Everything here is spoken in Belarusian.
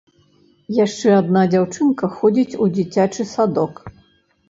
Яшчэ адна дзяўчынка ходзіць у дзіцячы садок.